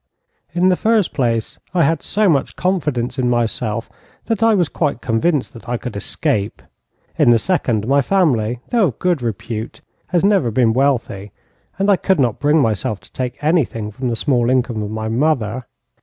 In the first place, I had so much confidence in myself, that I was quite convinced that I could escape. In the second, my family, though of good repute, has never been wealthy, and I could not bring myself to take anything from the small income of my mother.